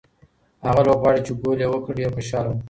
هغه لوبغاړی چې ګول یې وکړ ډېر خوشاله و.